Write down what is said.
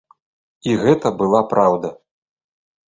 І гэта была праўда.